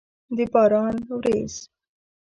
د باران ورېځ!